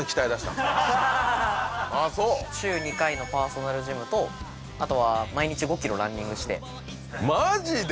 そう週２回のパーソナルジムとあとは毎日５ｋｍランニングしてマジで！？